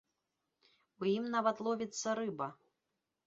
У ім нават ловіцца рыба.